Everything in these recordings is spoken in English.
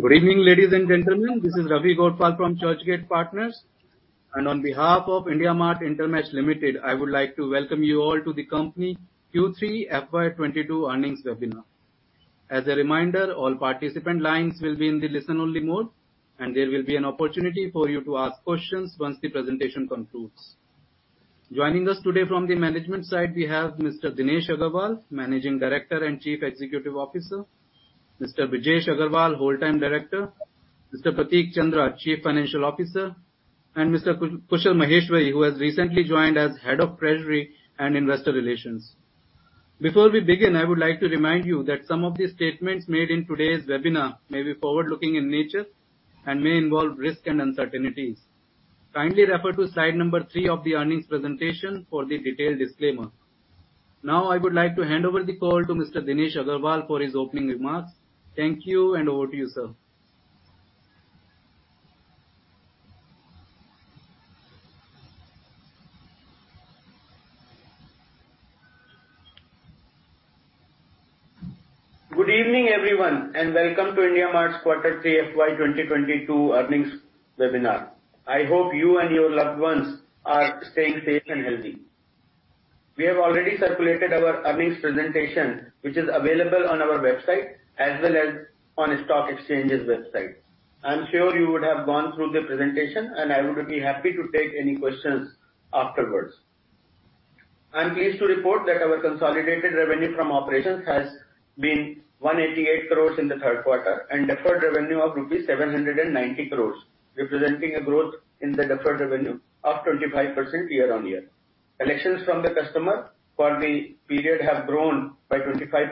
Good evening, ladies and gentlemen. This is Ravi Gothwal from Churchgate Partners. On behalf of IndiaMART InterMESH Limited, I would like to welcome you all to the company Q3 FY 2022 earnings webinar. As a reminder, all participant lines will be in the listen-only mode, and there will be an opportunity for you to ask questions once the presentation concludes. Joining us today from the management side, we have Mr. Dinesh Agarwal, Managing Director and Chief Executive Officer, Mr. Brijesh Agrawal, Whole-time Director, Mr. Prateek Chandra, Chief Financial Officer, and Mr. Kushal Maheshwari, who has recently joined as Head of Treasury and Investor Relations. Before we begin, I would like to remind you that some of the statements made in today's webinar may be forward-looking in nature and may involve risk and uncertainties. Kindly refer to slide number three of the earnings presentation for the detailed disclaimer. Now I would like to hand over the call to Mr. Dinesh Agarwal for his opening remarks. Thank you, and over to you, sir. Good evening, everyone, and welcome to IndiaMART's Q3 FY 2022 earnings webinar. I hope you and your loved ones are staying safe and healthy. We have already circulated our earnings presentation, which is available on our website as well as on stock exchange's website. I'm sure you would have gone through the presentation, and I would be happy to take any questions afterwards. I'm pleased to report that our consolidated revenue from operations has been 188 crore in the third quarter, and deferred revenue of rupees 790 crore, representing a growth in the deferred revenue of 25% year-on-year. Collections from the customer for the period have grown by 25%,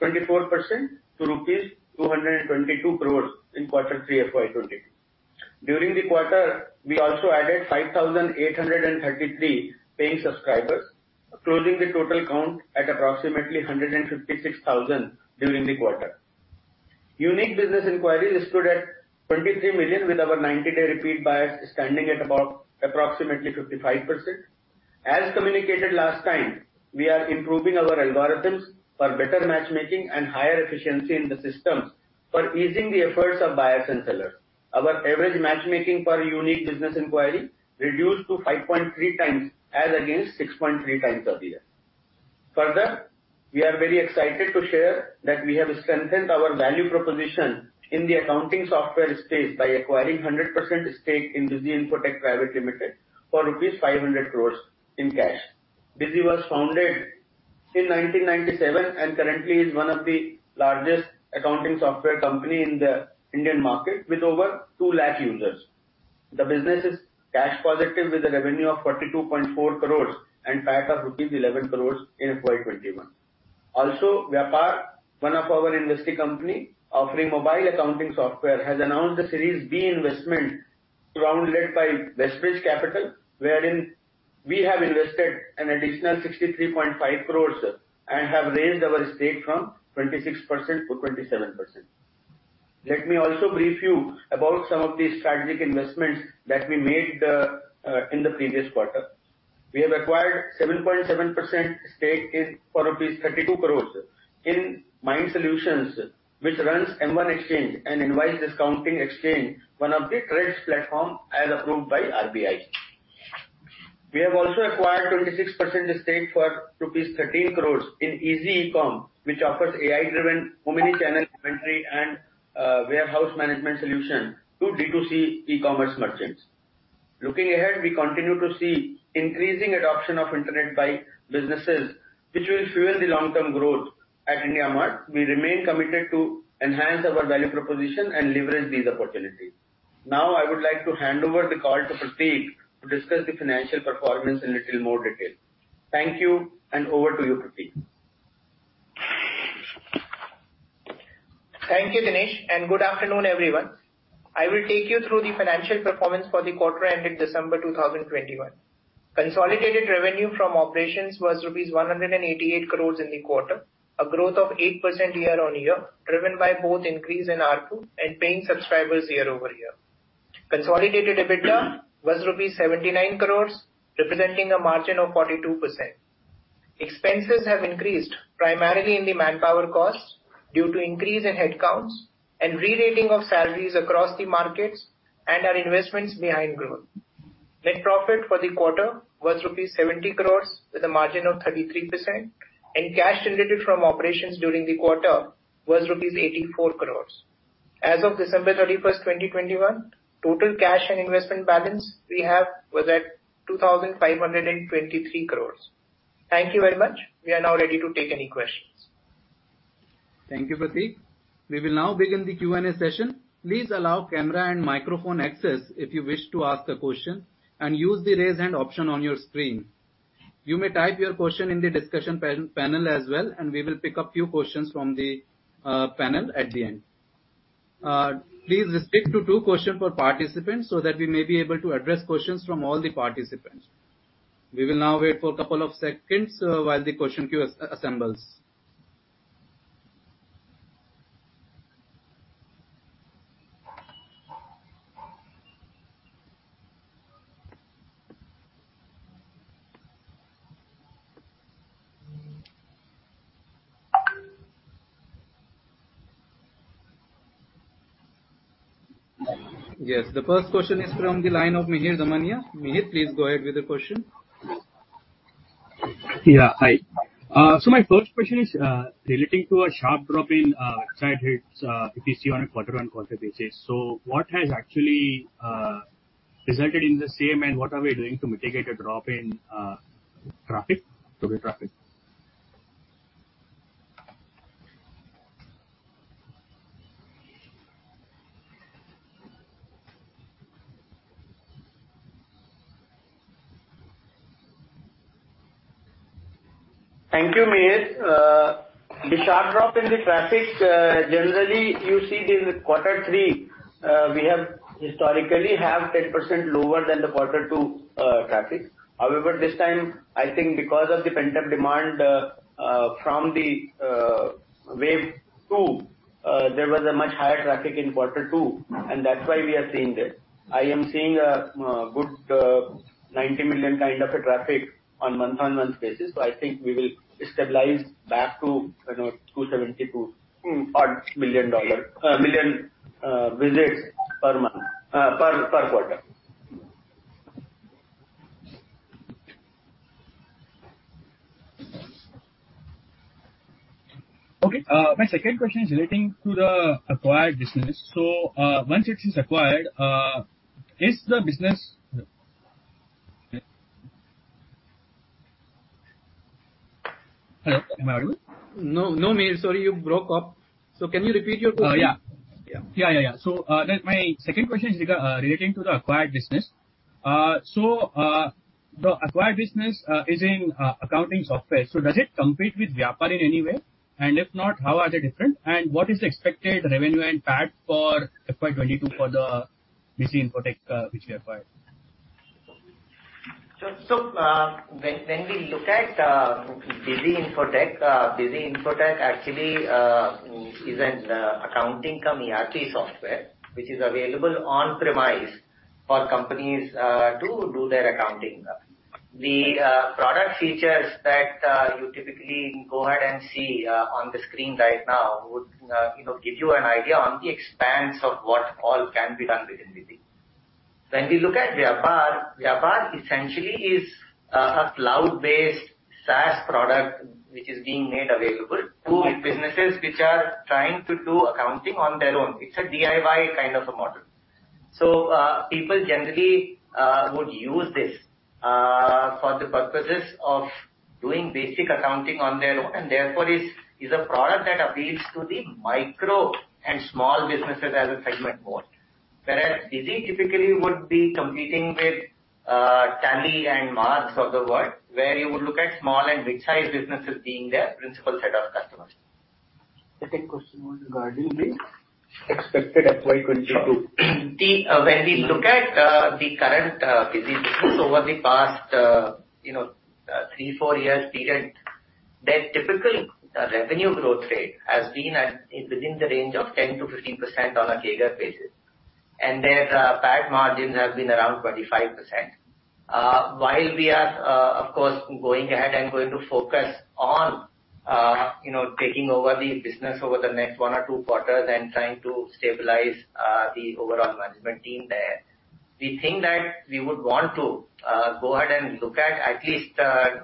24% to rupees 222 crore in Q3 FY 2020. During the quarter, we also added 5,833 paying subscribers, closing the total count at approximately 156,000 during the quarter. Unique business inquiries stood at 23 million, with our 90-day repeat buyers standing at about approximately 55%. As communicated last time, we are improving our algorithms for better matchmaking and higher efficiency in the systems for easing the efforts of buyers and sellers. Our average matchmaking per unique business inquiry reduced to 5.3 times as against 6.3 times of the year. Further, we are very excited to share that we have strengthened our value proposition in the accounting software space by acquiring 100% stake in Busy Infotech Private Limited for 500 crores rupees in cash. Busy was founded in 1997 and currently is one of the largest accounting software company in the Indian market with over 2 lakh users. The business is cash positive with a revenue of 42.4 crore and PAT of rupees 11 crore in FY 2021. Vyapar, one of our invested company offering mobile accounting software, has announced a Series B investment round led by WestBridge Capital, wherein we have invested an additional 63.5 crore and have raised our stake from 26% to 27%. Let me also brief you about some of the strategic investments that we made in the previous quarter. We have acquired 7.7% stake in Mynd Solutions for INR 32 crore, which runs M1xchange and invoice discounting exchange, one of the TReDS platforms as approved by RBI. We have also acquired 26% stake for 13 crore rupees in EasyEcom, which offers AI-driven omnichannel inventory and warehouse management solution to D2C e-commerce merchants. Looking ahead, we continue to see increasing adoption of internet by businesses which will fuel the long-term growth at IndiaMART. We remain committed to enhance our value proposition and leverage these opportunities. Now I would like to hand over the call to Prateek to discuss the financial performance in little more detail. Thank you, and over to you, Prateek. Thank you, Dinesh, and good afternoon, everyone. I will take you through the financial performance for the quarter ended December 2021. Consolidated revenue from operations was INR 188 crores in the quarter, a growth of 8% year-over-year, driven by both increase in ARPU and paying subscribers year-over-year. Consolidated EBITDA was 79 crores rupees, representing a margin of 42%. Expenses have increased primarily in the manpower costs due to increase in headcounts and re-rating of salaries across the markets and our investments behind growth. Net profit for the quarter was 70 crores rupees with a margin of 33%, and cash generated from operations during the quarter was rupees 84 crores. As of December 31st, 2021, total cash and investment balance we have was at 2,523 crores. Thank you very much. We are now ready to take any questions. Thank you, Prateek. We will now begin the Q and A session. Please allow camera and microphone access if you wish to ask a question and use the raise hand option on your screen. You may type your question in the discussion panel as well, and we will pick up few questions from the panel at the end. Please restrict to two questions per participant so that we may be able to address questions from all the participants. We will now wait for a couple of seconds while the question queue assembles. Yes. The first question is from the line of Mihir Damania. Mihir, please go ahead with the question. Yeah. Hi. My first question is relating to a sharp drop in website hits that we see on a quarter-over-quarter basis. What has actually resulted in the same and what are we doing to mitigate a drop in traffic? Sorry, traffic. Thank you, Mihir. The sharp drop in the traffic generally you see in quarter three. We have historically 10% lower than the quarter two traffic. However, this time, I think because of the pent-up demand from the wave two, there was a much higher traffic in quarter two, and that's why we are seeing this. I am seeing a good 90 million kind of a traffic on month-on-month basis. I think we will stabilize back to, you know, 272-odd million visits per month per quarter. Okay. My second question is relating to the acquired business. Once it is acquired, is the business? Hello? Am I on? No, no, Mihir. Sorry, you broke up. Can you repeat your question? Yeah. Yeah. My second question is relating to the acquired business. The acquired business is in accounting software. Does it compete with Vyapar in any way? And if not, how are they different? And what is the expected revenue and PAT for FY 2022 for the Busy Infotech, which we acquired? When we look at Busy Infotech, Busy Infotech actually is an accounting cum ERP software, which is available on-premise for companies to do their accounting. The product features that you typically go ahead and see on the screen right now would, you know, give you an idea on the expanse of what all can be done within Busy. When we look at Vyapar essentially is a cloud-based SaaS product which is being made available to businesses which are trying to do accounting on their own. It's a DIY kind of a model. People generally would use this for the purposes of doing basic accounting on their own, and therefore is a product that appeals to the micro and small businesses as a segment more. Whereas Busy typically would be competing with Tally and Marg of the world, where you would look at small and mid-sized businesses being their principal set of customers. Second question was regarding the expected FY 2022. When we look at the current Busy business over the past you know three four years period, their typical revenue growth rate has been at within the range of 10%-15% on a CAGR basis. Their PAT margins have been around 25%. While we are of course going ahead and going to focus on you know taking over the business over the next one or two quarters and trying to stabilize the overall management team there, we think that we would want to go ahead and look at least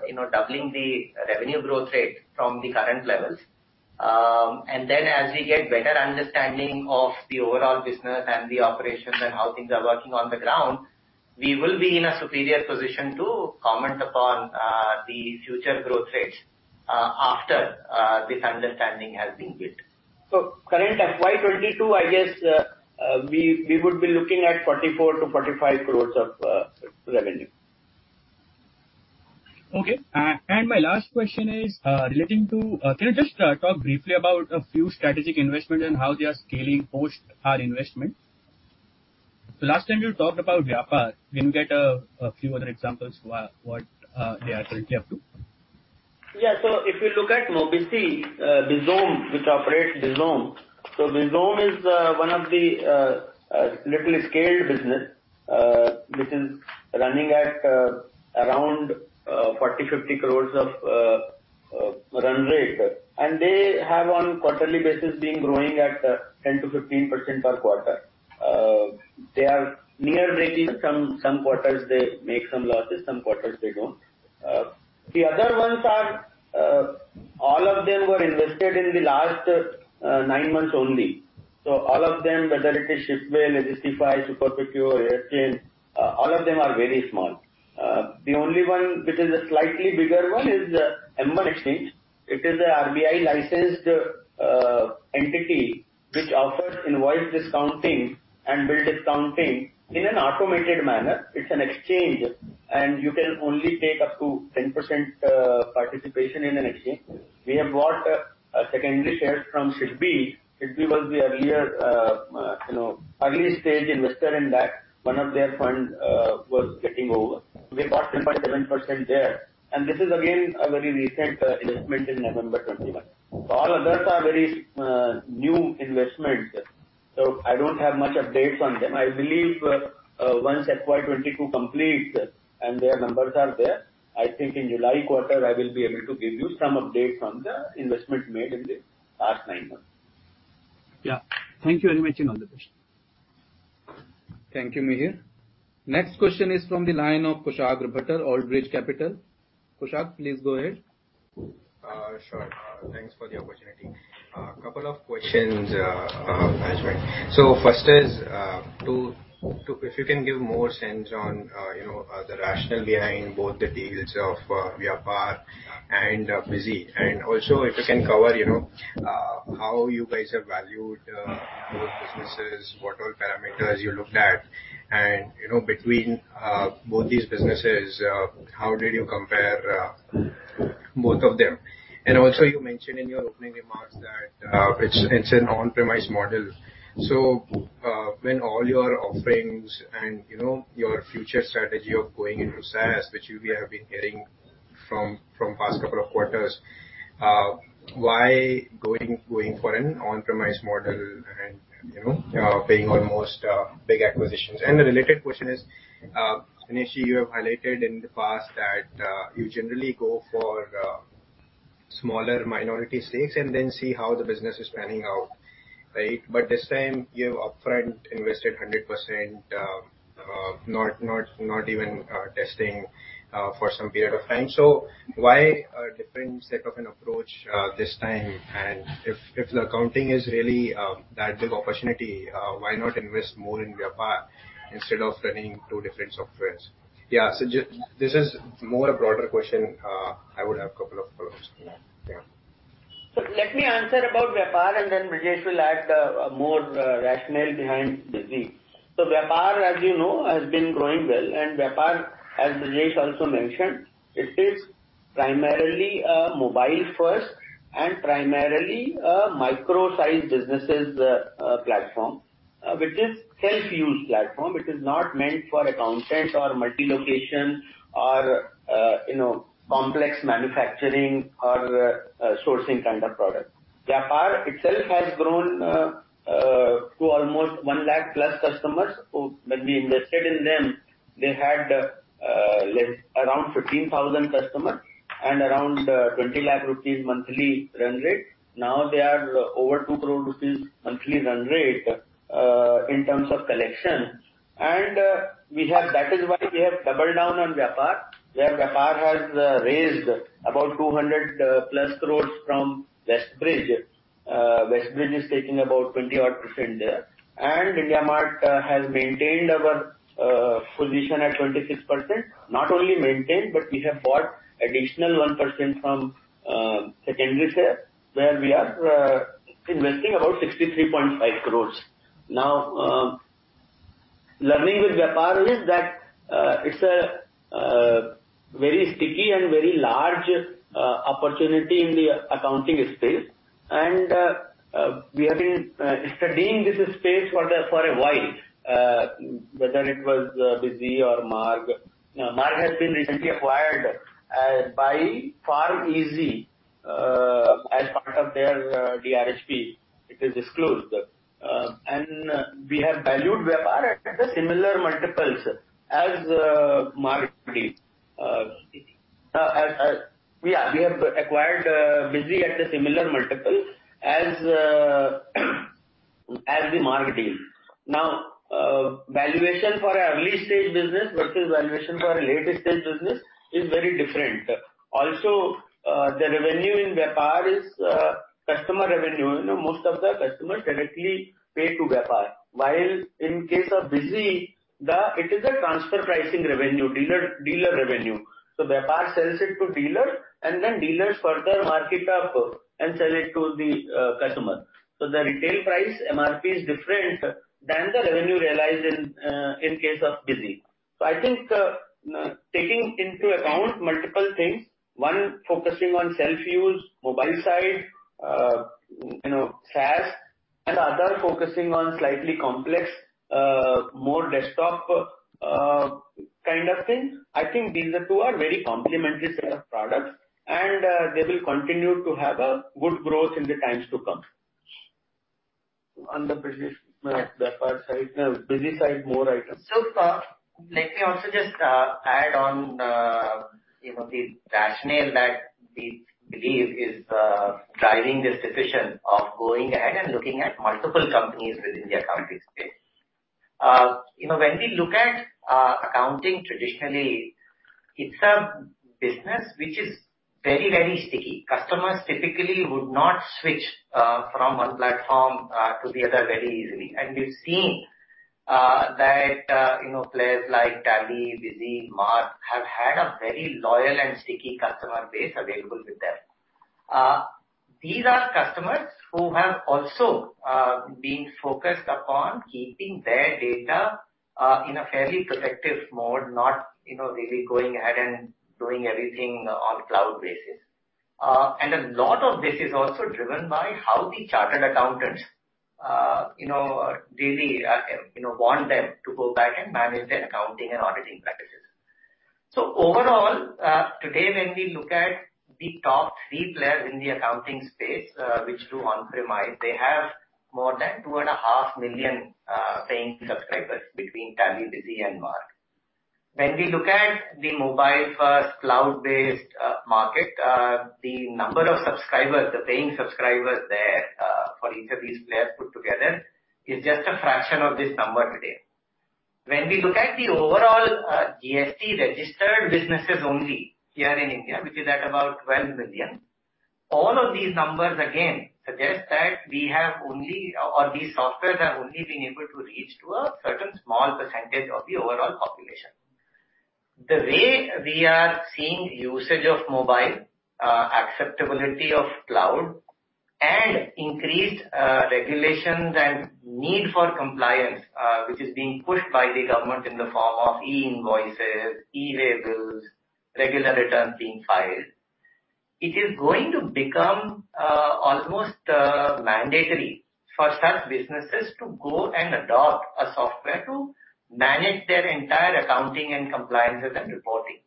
you know doubling the revenue growth rate from the current levels. As we get a better understanding of the overall business and the operations and how things are working on the ground, we will be in a superior position to comment upon the future growth rates after this understanding has been built. Current FY 2022, I guess, we would be looking at 44 crore-45 crore of revenue. Okay. My last question is, can you just talk briefly about a few strategic investments and how they are scaling post our investment? Last time you talked about Vyapar. Can you get a few other examples of what they are currently up to? Yeah. If you look at Mobisy Bizom, which operates Bizom. Bizom is one of the well scaled business, which is running at around 40 crore-50 crore run rate. They have on quarterly basis been growing at 10%-15% per quarter. They are near breakeven. Some quarters they make some losses, some quarters they don't. The other ones are, all of them were invested in the last nine months only. All of them, whether it is Shipway, Legistify, SuperProcure, Aerchain, all of them are very small. The only one which is a slightly bigger one is M1xchange. It is a RBI-licensed entity which offers invoice discounting and bill discounting in an automated manner. It's an exchange, and you can only take up to 10% participation in an exchange. We have bought secondary shares from SIDBI. SIDBI was the earlier, you know, early-stage investor in that. One of their funds was getting over. We bought 10.7% there, and this is again a very recent investment in November 2021. All others are very new investments. I don't have much updates on them. I believe, once FY 2022 completes and their numbers are there, I think in July quarter, I will be able to give you some update from the investment made in the past nine months. Yeah. Thank you very much, Chandra. Thank you, Mihir. Next question is from the line of Kushagra Bhattar, Old Bridge Capital. Kushagra, please go ahead. Sure. Thanks for the opportunity. A couple of questions, management. First is if you can give more sense on you know the rationale behind both the deals of Vyapar and Busy. Also, if you can cover you know how you guys have valued both businesses, what all parameters you looked at, and you know between both these businesses how did you compare both of them? Also, you mentioned in your opening remarks that it's an on-premise model. When all your offerings and you know your future strategy of going into SaaS, which we have been hearing from past couple of quarters, why going for an on-premise model and you know paying almost big acquisitions? The related question is, Dinesh, you have highlighted in the past that you generally go for smaller minority stakes and then see how the business is panning out, right? This time you have upfront invested 100%, not even testing for some period of time. Why a different set of an approach this time? If the accounting is really that big opportunity, why not invest more in Vyapar instead of running two different software? Yeah. This is more a broader question. I would have couple of follows. Yeah. Let me answer about Vyapar, and then Brijesh will add more rationale behind Busy. Vyapar, as you know, has been growing well, and Vyapar, as Brijesh also mentioned, it is primarily a mobile first and primarily a micro-sized businesses platform, which is self-use platform. It is not meant for accountant or multi-location or, you know, complex manufacturing or sourcing kind of product. Vyapar itself has grown to almost 1 lakh+ customers, who when we invested in them, they had around 15,000 customers and around 20 lakh rupees monthly run rate. Now they are over 2 crore rupees monthly run rate in terms of collection. That is why we have doubled down on Vyapar, where Vyapar has raised about 200+ crore from WestBridge. WestBridge Capital is taking about 20-odd% there. IndiaMART has maintained our position at 26%. Not only maintained, but we have bought additional 1% from secondary share, where we are investing about 63.5 crores. Learning with Vyapar is that it's a very sticky and very large opportunity in the accounting space. We have been studying this space for a while, whether it was Busy or Marg. Marg has been recently acquired by PharmEasy as part of their DRHP. It is disclosed. We have valued Vyapar at the similar multiples as Marg deal. We have acquired Busy at a similar multiple as the Marg deal. Now, valuation for an early-stage business versus valuation for a late-stage business is very different. Also, the revenue in Vyapar is customer revenue. You know, most of the customers directly pay to Vyapar. While in case of Busy, it is a transfer pricing revenue, dealer revenue. Vyapar sells it to dealer, and then dealers further mark it up and sell it to the customer. The retail price, MRP, is different than the revenue realized in case of Busy. I think, taking into account multiple things, one focusing on self-use, mobile side, you know, SaaS and other focusing on slightly complex, more desktop, kind of thing. I think these two are very complementary set of products, and they will continue to have a good growth in the times to come. On the Brijesh Vyapar side. No, Busy side, more items. Let me also just add on you know the rationale that we believe is driving this decision of going ahead and looking at multiple companies within the accounting space. You know when we look at accounting traditionally it's a business which is very very sticky. Customers typically would not switch from one platform to the other very easily. We've seen that you know players like Tally, Busy, Marg have had a very loyal and sticky customer base available with them. These are customers who have also been focused upon keeping their data in a fairly protective mode not you know really going ahead and doing everything on cloud basis. A lot of this is also driven by how the chartered accountants, you know, really, you know, want them to go back and manage their accounting and auditing practices. Overall, today when we look at the top three players in the accounting space, which do on-premise, they have more than 2.5 million paying subscribers between Tally, Busy and Marg. When we look at the mobile first cloud-based market, the number of subscribers, the paying subscribers there, for each of these players put together is just a fraction of this number today. When we look at the overall GST registered businesses only here in India, which is at about 12 million, all of these numbers again suggest that we have only... For these software have only been able to reach a certain small percentage of the overall population. The way we are seeing usage of mobile, acceptability of cloud and increased regulations and need for compliance, which is being pushed by the government in the form of e-invoices, e-way bills, regular returns being filed. It is going to become almost mandatory for such businesses to go and adopt software to manage their entire accounting and compliance and reporting.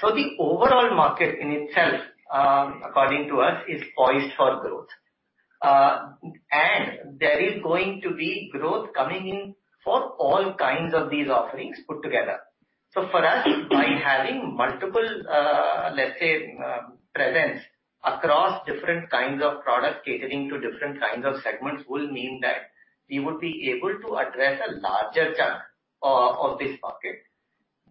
The overall market in itself, according to us, is poised for growth. There is going to be growth coming in for all kinds of these offerings put together. For us, by having multiple, let's say, presence across different kinds of products catering to different kinds of segments will mean that we would be able to address a larger chunk of this market.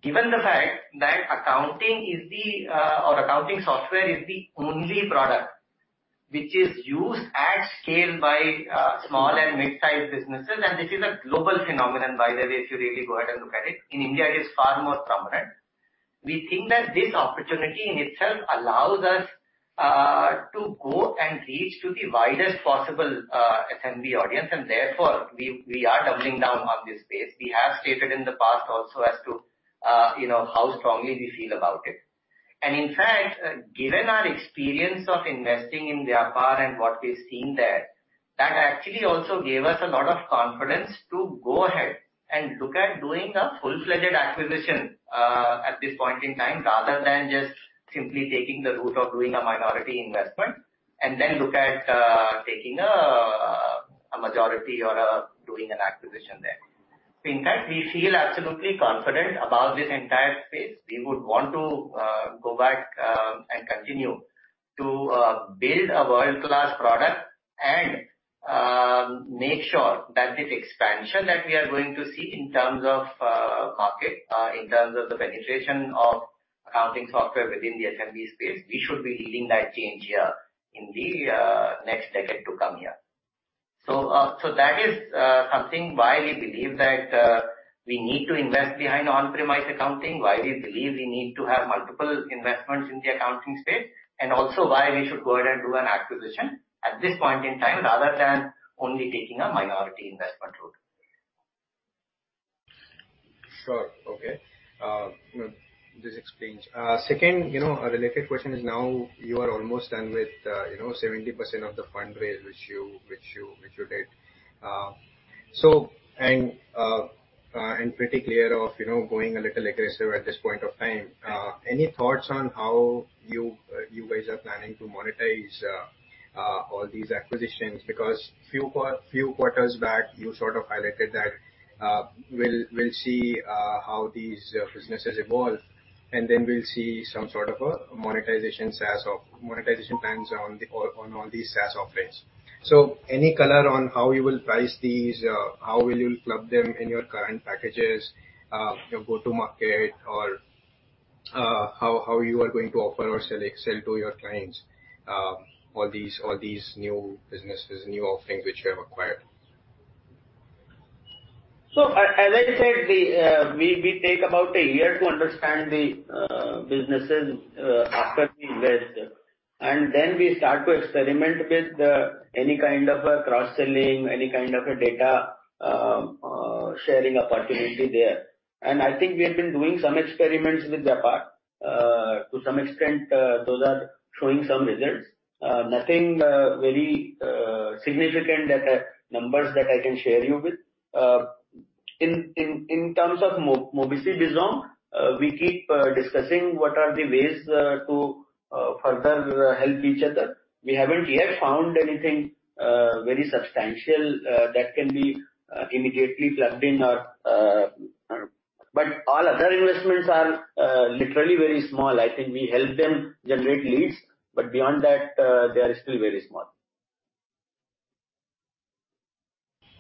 Given the fact that accounting is the, or accounting software is the only product which is used at scale by small and mid-sized businesses, and this is a global phenomenon, by the way, if you really go ahead and look at it. In India it is far more prominent. We think that this opportunity in itself allows us to go and reach to the widest possible SMB audience and therefore we are doubling down on this space. We have stated in the past also as to, you know, how strongly we feel about it. In fact, given our experience of investing in Vyapar and what we've seen there, that actually also gave us a lot of confidence to go ahead and look at doing a full-fledged acquisition at this point in time rather than just simply taking the route of doing a minority investment and then look at taking a majority or doing an acquisition there. In fact, we feel absolutely confident about this entire space. We would want to go back and continue to build a world-class product and make sure that this expansion that we are going to see in terms of market in terms of the penetration of accounting software within the SMB space, we should be leading that change here in the next decade to come here. That is something why we believe that we need to invest behind on-premise accounting, why we believe we need to have multiple investments in the accounting space, and also why we should go ahead and do an acquisition at this point in time, rather than only taking a minority investment route. Sure. Okay. This explains. Second, you know, a related question is now you are almost done with, you know, 70% of the fundraise which you did. And pretty clear of, you know, going a little aggressive at this point of time. Any thoughts on how you guys are planning to monetize all these acquisitions? Because few quarters back, you sort of highlighted that, we'll see how these businesses evolve and then we'll see some sort of a monetization SaaS or monetization plans on the or on all these SaaS offerings. So any color on how you will price these? How will you club them in your current packages? Go-to-market or how you are going to offer or sell to your clients all these new businesses, new offerings which you have acquired. As I said, we take about a year to understand the businesses after we invest. Then we start to experiment with any kind of a cross-selling, any kind of a data sharing opportunity there. I think we have been doing some experiments with Vyapar. To some extent, those are showing some results. Nothing very significant numbers that I can share with you. In terms of Mobisy, Bizom we keep discussing what are the ways to further help each other. We haven't yet found anything very substantial that can be immediately plugged in or. All other investments are literally very small. I think we help them generate leads, but beyond that, they are still very small.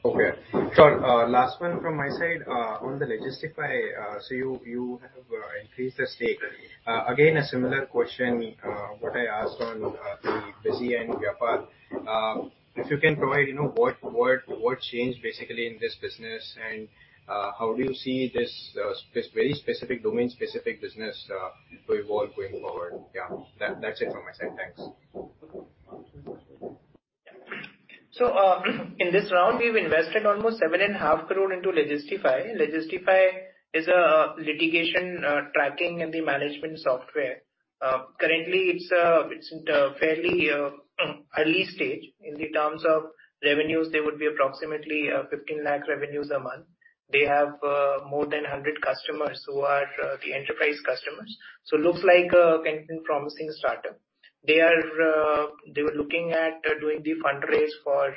Okay, sure. Last one from my side. On the Legistify, so you have increased the stake. Again, a similar question, what I asked on the Busy and Vyapar. If you can provide, you know, what changed basically in this business and how do you see this very specific domain-specific business to evolve going forward? Yeah. That's it from my side. Thanks. In this round, we've invested almost 7.5 crore into Legistify. Legistify is a litigation, tracking and the management software. Currently it's in a fairly early stage. In the terms of revenues, they would be approximately 15 lakh a month. They have more than 100 customers who are the enterprise customers. Looks like a kind of promising startup. They were looking at doing the fundraise for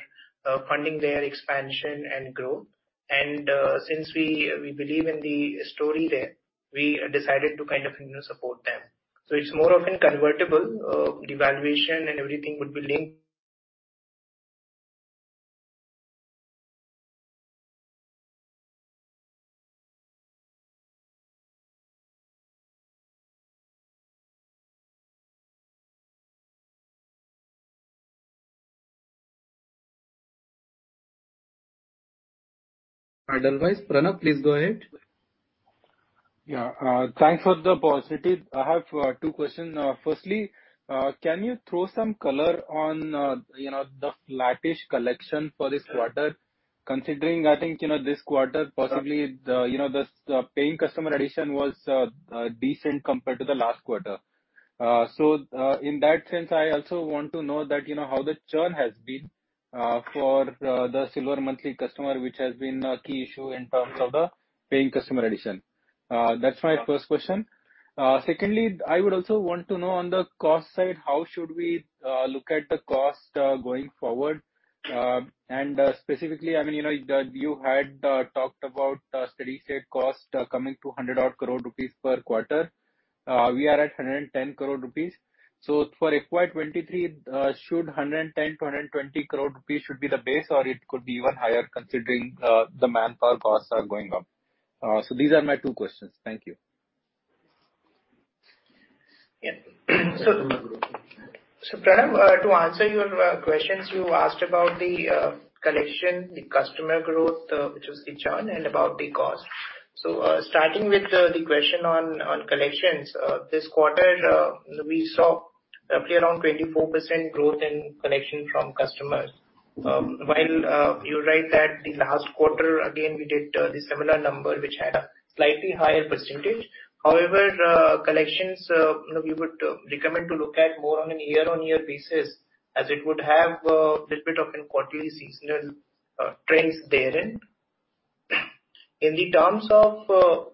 funding their expansion and growth. Since we believe in the story there, we decided to kind of, you know, support them. It's more of a convertible. The valuation and everything would be linked. Otherwise, Pranav, please go ahead. Thanks for the positive. I have two questions. Firstly, can you throw some color on, you know, the latest collection for this quarter? Considering, I think, you know, this quarter possibly, you know, the paying customer addition was decent compared to the last quarter. In that sense, I also want to know that, you know, how the churn has been for the silver monthly customer, which has been a key issue in terms of the paying customer addition. That's my first question. Secondly, I would also want to know on the cost side, how should we look at the cost going forward? Specifically, I mean, you know, that you had talked about steady-state cost coming to 100 crore rupees per quarter. We are at 110 crore rupees. For FY 2023, should 110 crore-120 crore rupees be the base, or it could be even higher considering the manpower costs are going up. These are my two questions. Thank you. Yeah. Pranav, to answer your questions, you asked about the collection, the customer growth, which was the churn, and about the cost. Starting with the question on collections. This quarter, we saw roughly around 24% growth in collection from customers. While you're right that the last quarter again, we did the similar number, which had a slightly higher percentage. However, collections, you know, we would recommend to look at more on a year-on-year basis as it would have little bit of a quarterly seasonal trends therein. In terms of—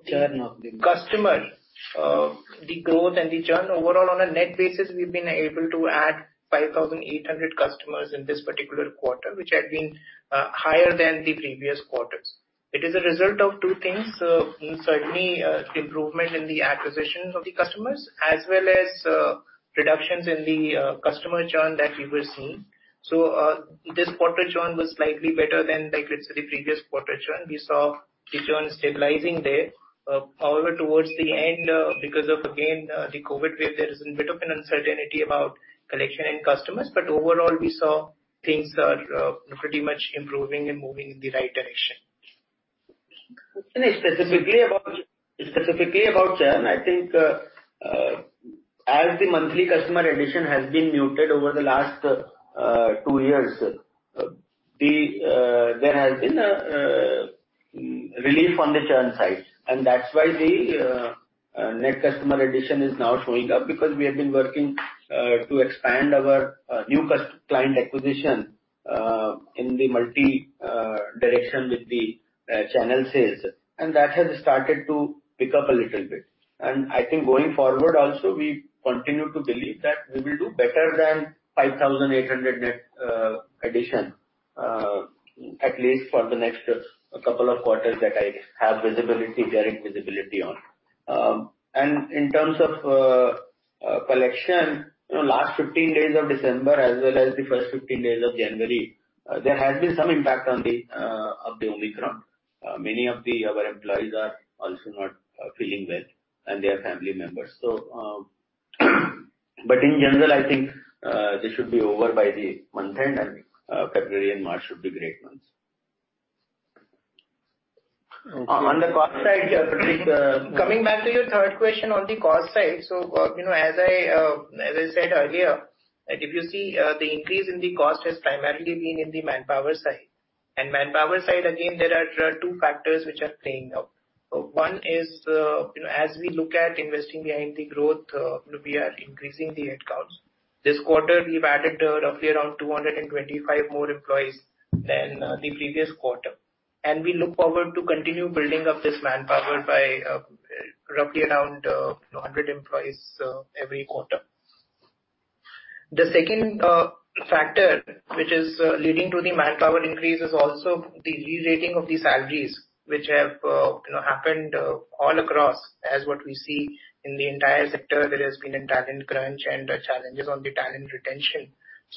Churn of the- Customer, the growth and the churn overall on a net basis, we've been able to add 5,800 customers in this particular quarter, which had been higher than the previous quarters. It is a result of two things. Certainly, improvement in the acquisitions of the customers as well as reductions in the customer churn that we were seeing. So, this quarter churn was slightly better than, like, let's say, the previous quarter churn. We saw the churn stabilizing there. However, towards the end, because of again the COVID wave, there is a bit of an uncertainty about collection and customers. Overall, we saw things are pretty much improving and moving in the right direction. Specifically about churn, I think, as the monthly customer addition has been muted over the last two years, there has been a relief on the churn side, and that's why the net customer addition is now showing up because we have been working to expand our new client acquisition in multiple directions with the channel sales. That has started to pick up a little bit. I think going forward also, we continue to believe that we will do better than 5,800 net addition at least for the next couple of quarters that I have visibility, direct visibility on. In terms of collection, you know, last 15 days of December as well as the first 15 days of January, there has been some impact of the Omicron. Many of our employees are also not feeling well, and their family members. In general, I think this should be over by the month end, and February and March should be great months. Okay. On the cost side, coming back to your third question on the cost side. You know, as I said earlier, like if you see, the increase in the cost has primarily been in the manpower side. Manpower side, again, there are two factors which are playing out. One is, you know, as we look at investing behind the growth, you know, we are increasing the headcounts. This quarter we've added, roughly around 225 more employees than the previous quarter. We look forward to continue building up this manpower by, roughly around, 100 employees every quarter. The second factor which is leading to the manpower increase is also the rerating of the salaries which have, you know, happened, all across as what we see in the entire sector. There has been a talent crunch and challenges on the talent retention.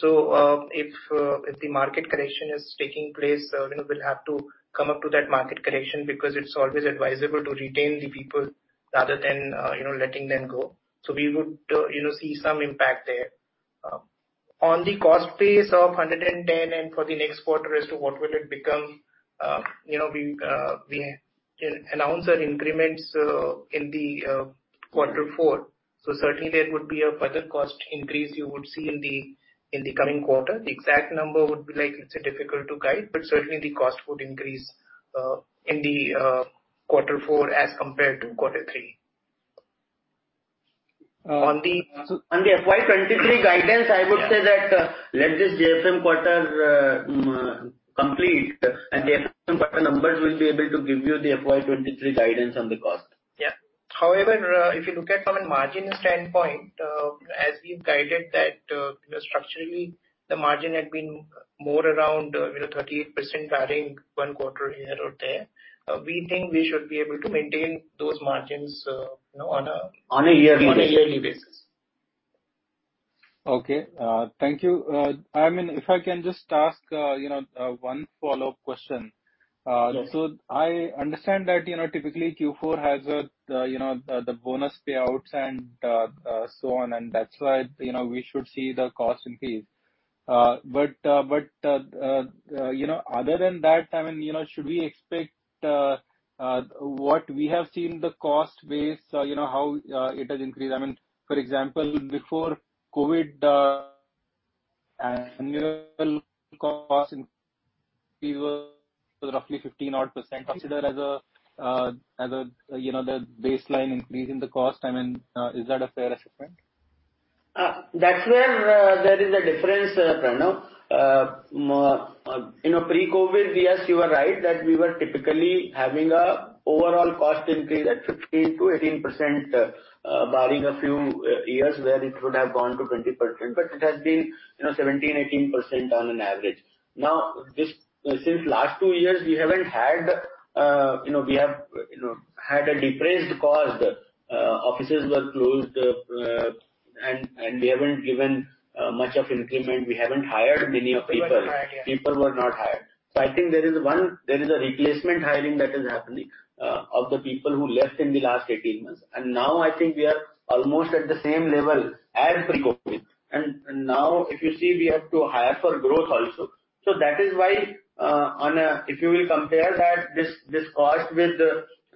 If the market correction is taking place, you know, we'll have to come up to that market correction because it's always advisable to retain the people rather than, you know, letting them go. We would, you know, see some impact there. On the cost base of 110 and for the next quarter as to what will it become, you know, we announced our increments in quarter four, so certainly there would be a further cost increase you would see in the coming quarter. The exact number would be, like, let's say, difficult to guide, but certainly the cost would increase in the Q4 as compared to Q3. On the FY 2023 guidance, I would say that let this JFM quarter complete and the JFM quarter numbers will be able to give you the FY 2023 guidance on the cost. Yeah. However, if you look at from a margin standpoint, as we've guided that, you know, structurally the margin had been more around, you know, 38% barring one quarter here or there. We think we should be able to maintain those margins, you know, on a- On a yearly basis. On a yearly basis. Okay, thank you. I mean, if I can just ask, you know, one follow-up question. Sure. I understand that, you know, typically Q4 has the bonus payouts and so on, and that's why, you know, we should see the cost increase. You know, other than that, I mean, you know, should we expect what we have seen the cost base, you know, how it has increased. I mean, for example, before COVID, annual cost increase was roughly 15-odd% considered as a baseline increase in the cost. I mean, is that a fair assessment? That's where there is a difference, Pranav. You know, pre-COVID, yes, you are right that we were typically having an overall cost increase at 15%-18%, barring a few years where it would have gone to 20%, but it has been, you know, 17%-18% on an average. Now, this, since last two years, we haven't had, you know, we have, you know, had a depressed cost. Offices were closed, and we haven't given much of increment. We haven't hired many people. People were not hired, yeah. People were not hired. I think there is a replacement hiring that is happening of the people who left in the last 18 months. Now I think we are almost at the same level as pre-COVID. Now if you see, we have to hire for growth also. That is why. If you will compare that, this cost with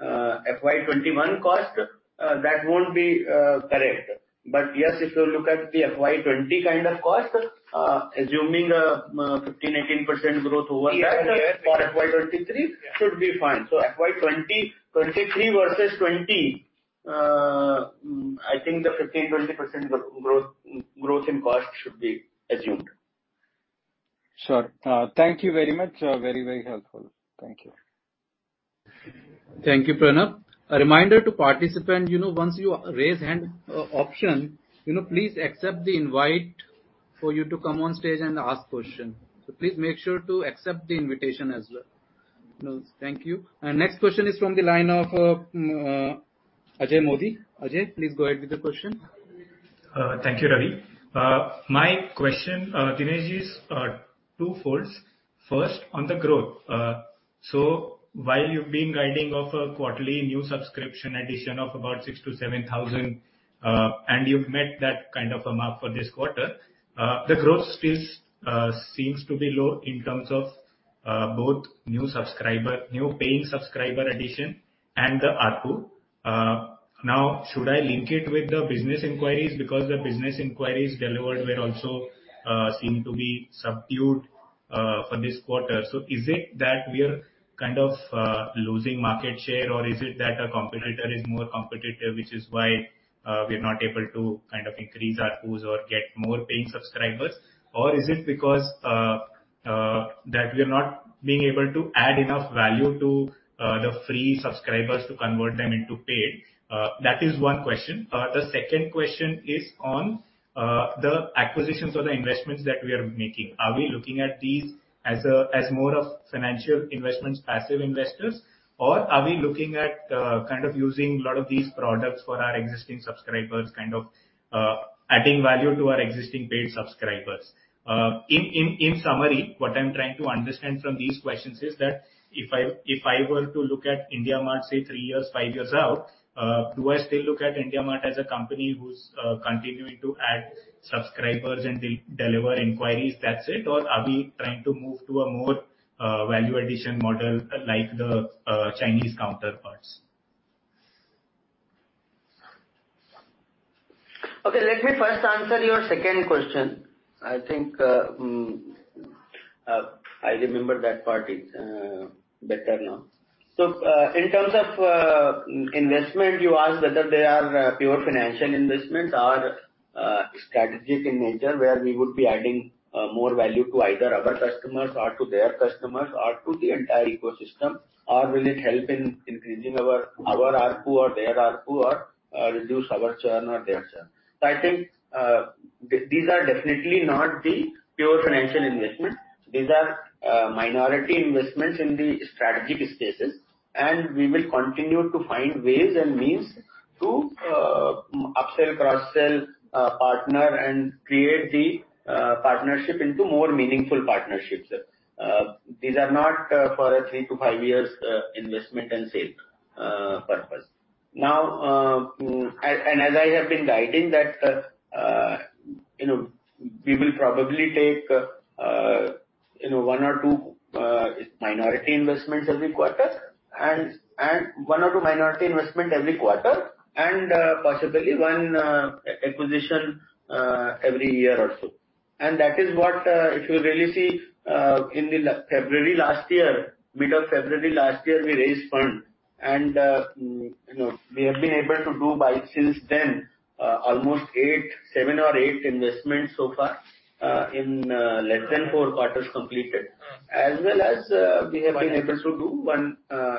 FY 2021 cost, that won't be correct. Yes, if you look at the FY 2020 kind of cost, assuming 15%-18% growth over that. Year-on-year. For FY 2023 should be fine. FY 2023 versus 2022, I think the 15-20% growth in cost should be assumed. Sure. Thank you very much. Very, very helpful. Thank you. Thank you, Pranav. A reminder to participants, you know, once you raise hand, option, you know, please accept the invite for you to come on stage and ask question. So please make sure to accept the invitation as well. You know, thank you. Next question is from the line of, Ajay Modi. Ajay, please go ahead with the question. Thank you, Ravi. My question, Dinesh, is twofold. First, on the growth. While you've been guiding of a quarterly new subscription addition of about 6,000-7,000 thousand, and you've met that kind of a mark for this quarter, the growth still seems to be low in terms of both new subscriber, new paying subscriber addition and the ARPU. Now, should I link it with the business inquiries because the business inquiries delivered also seem to be subdued for this quarter. Is it that we are kind of losing market share, or is it that our competitor is more competitive, which is why we are not able to kind of increase ARPUs or get more paying subscribers? Is it because that we are not being able to add enough value to the free subscribers to convert them into paid? That is one question. The second question is on the acquisitions or the investments that we are making. Are we looking at these as a, as more of financial investments, passive investors? Or are we looking at kind of using a lot of these products for our existing subscribers, kind of adding value to our existing paid subscribers? In summary, what I'm trying to understand from these questions is that if I were to look at IndiaMART, say, three years, five years out, do I still look at IndiaMART as a company who's continuing to add subscribers and deliver inquiries, that's it? Are we trying to move to a more value addition model like the Chinese counterparts? Okay, let me first answer your second question. I think I remember that part better now. In terms of investment, you asked whether they are pure financial investments or strategic in nature, where we would be adding more value to either our customers or to their customers or to the entire ecosystem, or will it help in increasing our ARPU or their ARPU or reduce our churn or their churn. I think these are definitely not the pure financial investments. These are minority investments in the strategic spaces, and we will continue to find ways and means to upsell, cross-sell, partner, and create the partnership into more meaningful partnerships. These are not for a three to five years investment and sale purpose. Now, as I have been guiding that, you know, we will probably take one or two minority investments every quarter and possibly one acquisition every year or so. That is what, if you really see, in mid-February last year, we raised funds and, you know, we have been able to deploy since then almost seven or eight investments so far in less than four completed quarters. As well as, we have been able to do one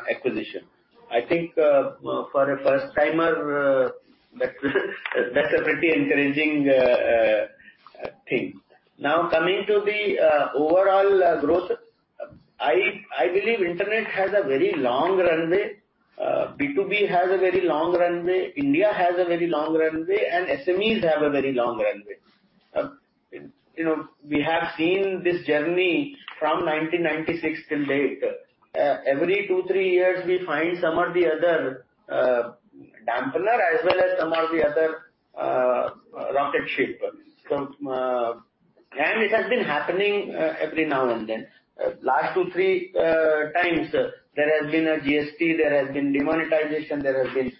acquisition. I think, for a first timer, that's a pretty encouraging thing. Now, coming to the overall growth. I believe internet has a very long runway. B2B has a very long runway. India has a very long runway, and SMEs have a very long runway. You know, we have seen this journey from 1996 till date. Every two, three years, we find some or the other dampener as well as some or the other rocket ship. It has been happening every now and then. Last two, three times there has been a GST, there has been demonetization, there has been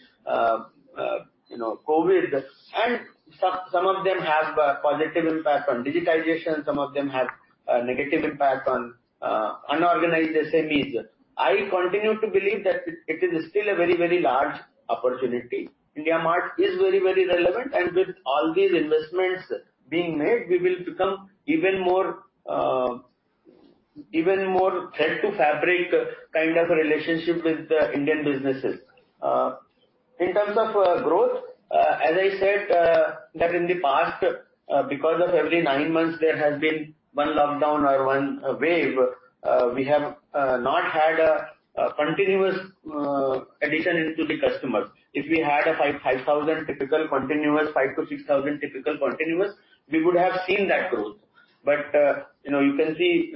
you know, COVID. Some of them have a positive impact on digitization. Some of them have a negative impact on unorganized SMEs. I continue to believe that it is still a very, very large opportunity. IndiaMART is very relevant, and with all these investments being made, we will become even more thread to fabric kind of a relationship with the Indian businesses. In terms of growth, as I said, that in the past, because of every nine months there has been one lockdown or one wave, we have not had a continuous addition into the customers. If we had 5,000 typical continuous, 5,000 to 6,000 typical continuous, we would have seen that growth. You know, you can see,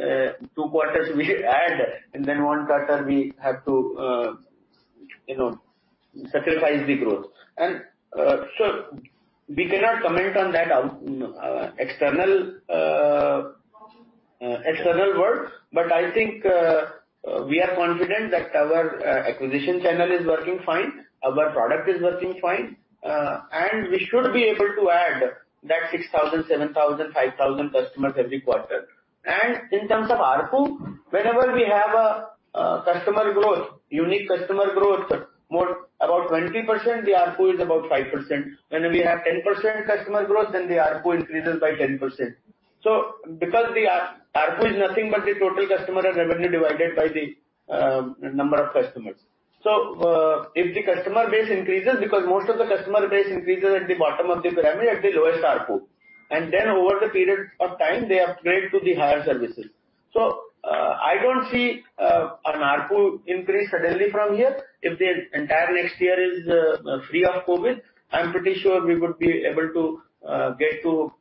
two quarters we add, and then one quarter we have to sacrifice the growth. We cannot comment on that external world. I think we are confident that our acquisition channel is working fine, our product is working fine, and we should be able to add that 6,000, 7,000, 5,000 customers every quarter. In terms of ARPU, whenever we have a customer growth, unique customer growth, more about 20%, the ARPU is about 5%. Whenever we have 10% customer growth, then the ARPU increases by 10%. Because the ARPU is nothing but the total revenue divided by the number of customers. If the customer base increases, because most of the customer base increases at the bottom of the pyramid at the lowest ARPU, and then over the period of time, they upgrade to the higher services. I don't see an ARPU increase suddenly from here. If the entire next year is free of COVID, I'm pretty sure we would be able to get to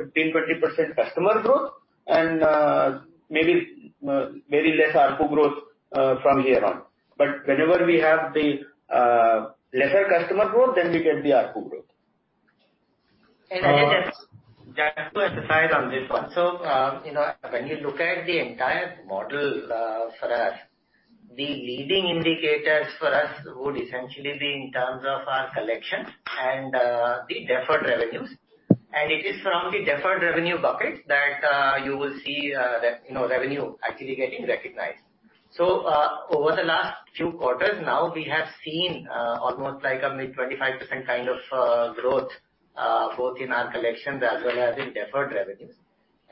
15%-20% customer growth and maybe very less ARPU growth from here on. Whenever we have the lesser customer growth, then we get the ARPU growth. Can I just- Uh- Just to emphasize on this one. You know, when you look at the entire model, for us, the leading indicators for us would essentially be in terms of our collections and the deferred revenues. It is from the deferred revenue buckets that you will see that you know revenue actually getting recognized. Over the last few quarters now, we have seen almost like a mid 25% kind of growth both in our collections as well as in deferred revenues.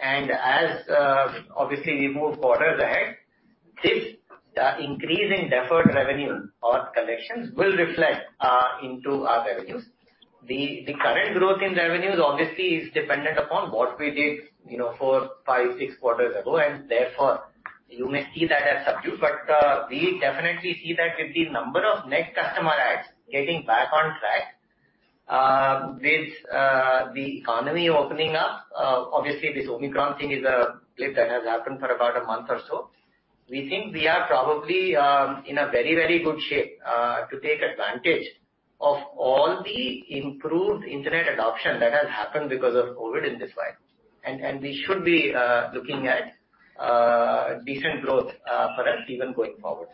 As obviously we move quarters ahead, this increase in deferred revenue or collections will reflect into our revenues. The current growth in revenues obviously is dependent upon what we did, you know, four, five, six quarters ago, and therefore you may see that as subdued. We definitely see that with the number of net customer adds getting back on track, with the economy opening up, obviously this Omicron thing is a blip that has happened for about a month or so. We think we are probably in a very, very good shape to take advantage of all the improved internet adoption that has happened because of COVID in this while. We should be looking at decent growth for us even going forward.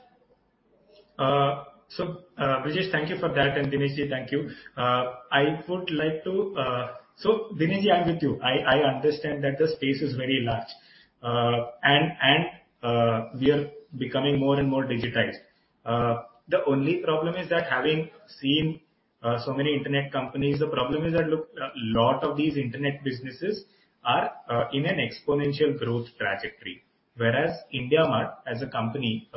Brijesh, thank you for that. Dinesh Ji, thank you. Dinesh Ji, I'm with you. I understand that the space is very large. We are becoming more and more digitized. The only problem is that having seen so many internet companies, the problem is that, look, a lot of these internet businesses are in an exponential growth trajectory. Whereas IndiaMART as a company,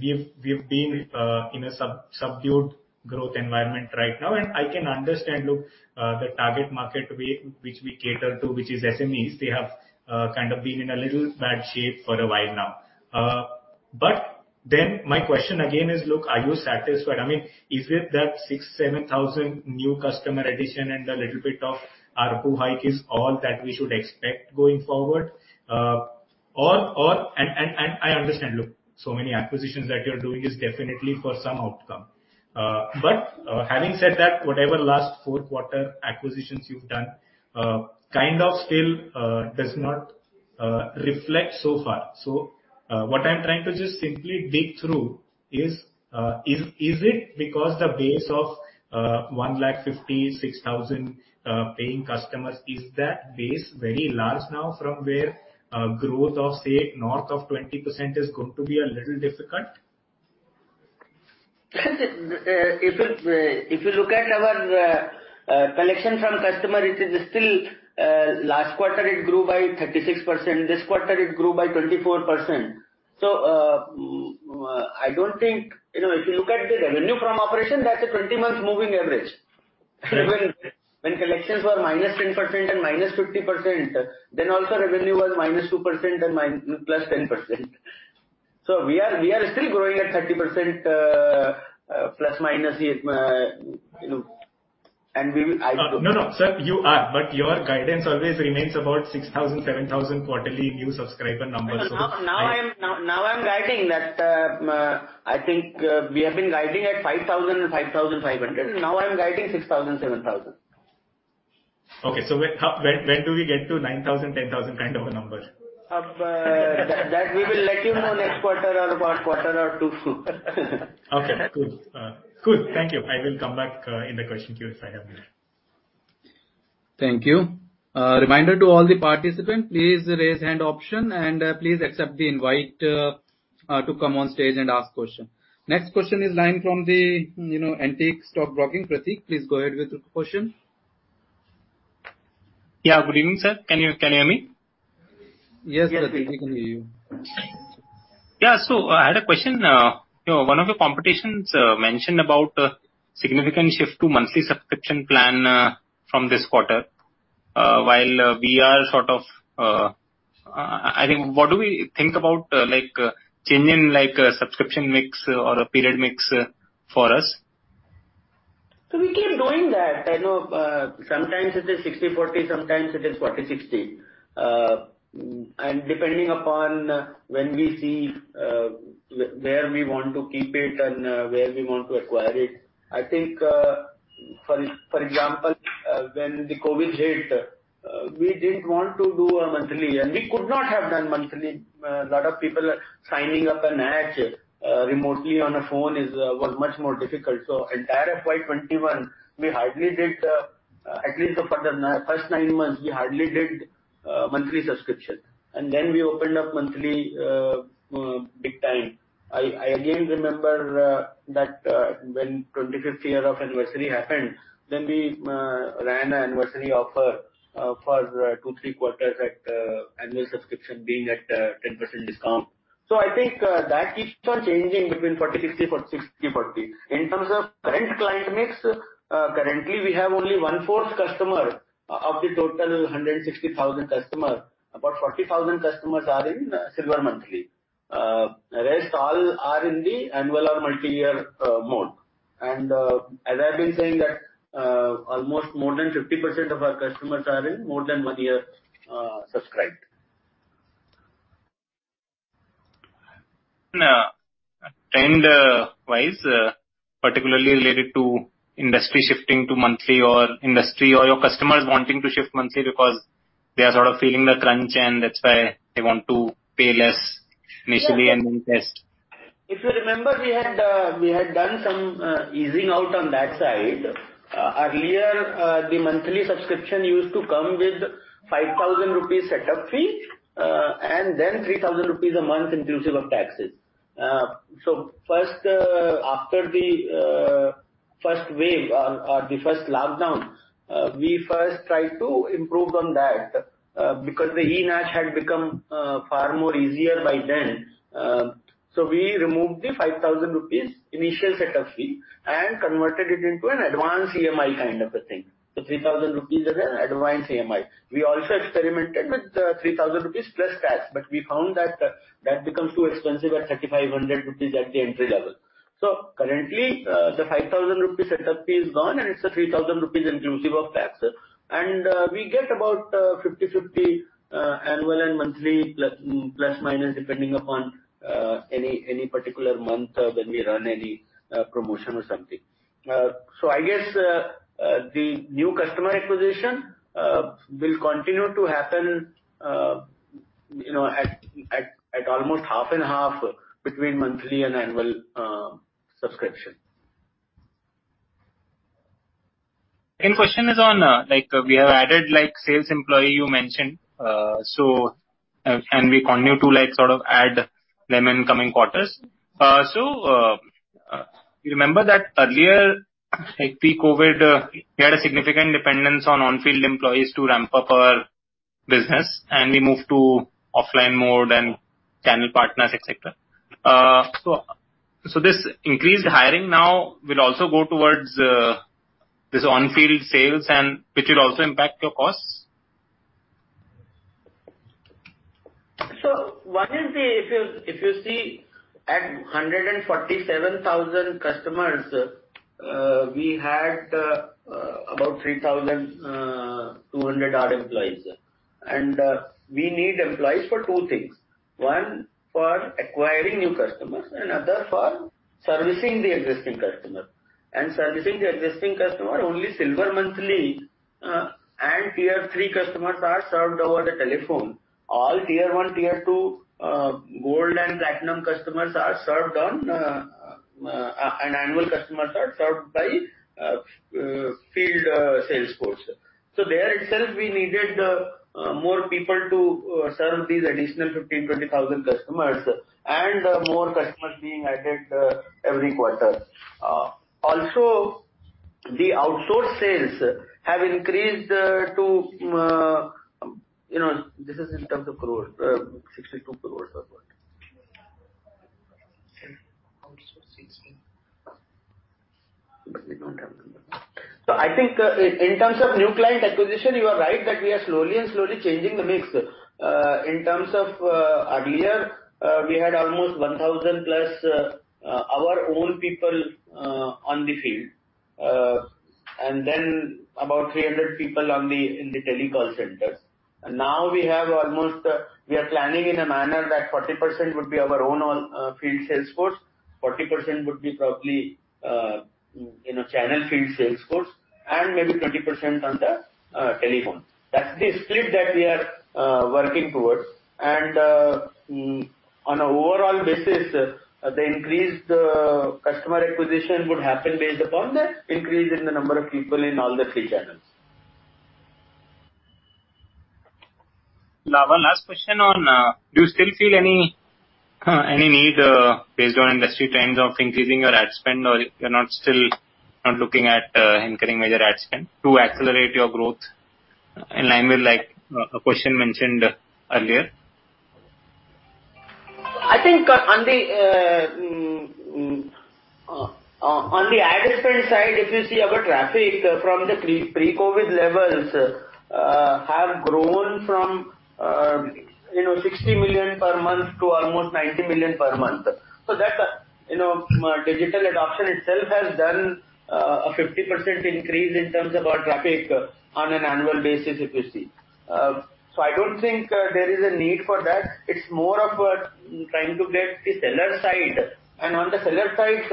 we've been in a subdued growth environment right now. I can understand, look, the target market we which we cater to, which is SMEs, they have kind of been in a little bad shape for a while now. My question again is, look, are you satisfied? I mean, is it that 6,000-7,000 thousand new customer addition and a little bit of ARPU hike is all that we should expect going forward? Or I understand, look, so many acquisitions that you're doing is definitely for some outcome. But having said that, whatever last fourth quarter acquisitions you've done kind of still does not reflect so far. So what I'm trying to just simply dig through is it because the base of 156,000 paying customers, is that base very large now from where growth of, say, north of 20% is going to be a little difficult? If you look at our collections from customers, it is still. Last quarter it grew by 36%. This quarter it grew by 24%. I don't think. You know, if you look at the revenue from operations, that's a 20-month moving average. When collections were -10% and -50%, then also revenue was -2% and +10%. We are still growing at 30%, ±, you know, and we will— No. Sir, you are, but your guidance always remains about 6,000-7,000 quarterly new subscriber numbers. Now I'm guiding that, I think, we have been guiding at 5,000-5,500. Now I'm guiding 6,000-7,000. Okay. When do we get to 9,000, 10,000 kind of a number? That we will let you know next quarter or about quarter or two. Okay, cool. Thank you. I will come back in the question queue if I have more. Thank you. Reminder to all the participants, please raise hand option and please accept the invite to come on stage and ask question. Next question is line from the, you know, Antique Stock Broking. Pratik, please go ahead with the question. Yeah. Good evening, sir. Can you hear me? Yes, Pratik, we can hear you. Yeah. I had a question. You know, one of your competitors mentioned about significant shift to monthly subscription plan from this quarter, while we are sort of, I think, what do we think about, like, change in like subscription mix or a period mix for us? We keep doing that. I know sometimes it is 60/40, sometimes it is 40/60 depending upon when we see where we want to keep it and where we want to acquire it. I think for example when the COVID hit we didn't want to do a monthly and we could not have done monthly. A lot of people signing up remotely on a phone was much more difficult. Entire FY 2021 we hardly did monthly subscription at least for the first nine months. Then we opened up monthly big time. I again remember that when 25th year of anniversary happened, then we ran an anniversary offer for 2-3 quarters at annual subscription being at 10% discount. I think that keeps on changing between 40/60 or 60/40. In terms of current client mix, currently we have only one-fourth customer of the total 160,000 customer. About 40,000 customers are in silver monthly. Rest all are in the annual or multiyear mode. As I've been saying that almost more than 50% of our customers are in more than one year subscribed. Now, trend-wise, particularly related to industry shifting to monthly or your customers wanting to shift monthly because they are sort of feeling the crunch and that's why they want to pay less initially and then test. If you remember, we had done some easing out on that side. Earlier, the monthly subscription used to come with 5,000 rupees setup fee and then 3,000 rupees a month inclusive of taxes. First, after the first wave or the first lockdown, we first tried to improve on that because the e-NACH had become far more easier by then. We removed the 5,000 rupees initial setup fee and converted it into an advance EMI kind of a thing. 3,000 rupees as an advance EMI. We also experimented with 3,000 rupees plus tax, but we found that that becomes too expensive at 3,500 rupees at the entry level. Currently, the 5,000 rupee setup fee is gone and it's 3,000 rupees inclusive of tax. We get about 50/50 annual and monthly, plus or minus, depending upon any particular month when we run any promotion or something. I guess the new customer acquisition will continue to happen, you know, at almost 50/50 between monthly and annual subscription. Question is on, like we have added like sales employees you mentioned. We continue to like sort of add them in coming quarters. You remember that earlier, like pre-COVID, we had a significant dependence on on-field employees to ramp up our business and we moved to online mode and channel partners, et cetera. This increased hiring now will also go towards this on-field sales and which will also impact your costs? One is the, if you see at 147,000 customers, we had about 3,200 odd employees. We need employees for two things. One, for acquiring new customers and other for servicing the existing customer. Servicing the existing customer, only silver monthly and tier three customers are served over the telephone. All Tier 1, Tier 2, gold and platinum customers are served on, and annual customers are served by field sales force. There itself we needed more people to serve these additional 15,000-20,000 thousand customers and more customers being added every quarter. Also the outsourced sales have increased to, you know, this is in terms of crore, 62 crore or what? Outsource 16. We don't have numbers. I think in terms of new client acquisition, you are right that we are slowly changing the mix. In terms of earlier, we had almost 1,000+, our own people, on the field. Then about 300 people on the, in the telecall centers. Now we are planning in a manner that 40% would be our own, field sales force, 40% would be probably, you know, channel field sales force, and maybe 20% on the, telephone. That's the split that we are working towards. On an overall basis, the increase, customer acquisition would happen based upon the increase in the number of people in all the three channels. Now, one last question on, do you still feel any need, based on industry trends of increasing your ad spend or you're not still looking at, incurring major ad spend to accelerate your growth in line with like a question mentioned earlier? I think on the ad spend side, if you see our traffic from the pre-COVID levels have grown from you know 60 million per month to almost 90 million per month. That's you know digital adoption itself has done a 50% increase in terms of our traffic on an annual basis, if you see. I don't think there is a need for that. It's more of a trying to get the seller side. On the seller side